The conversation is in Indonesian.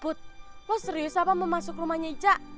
put lo serius apa mau masuk rumahnya ica